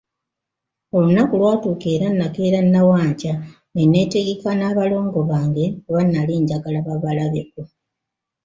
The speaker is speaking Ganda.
Olunaku lwatuuka era nakeera nawankya ne neetegeka n'abalongo bange, kuba nali njagala babalabeko.